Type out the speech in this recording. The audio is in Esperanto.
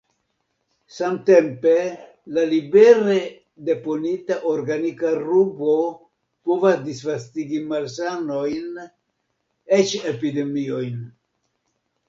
Samtempe la libere deponita organika rubo povas disvastigi malsanojn, eĉ epidemiojn.